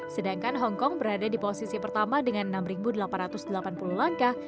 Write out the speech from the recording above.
sedangkan hongkong berada di posisi pertama dengan enam delapan ratus delapan puluh langkah